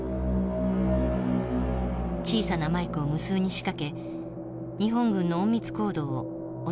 小さなマイクを無数に仕掛け日本軍の隠密行動を音で丸裸にした。